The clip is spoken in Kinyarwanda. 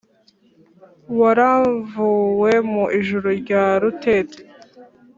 waramvuwe mu ijuli rya rutete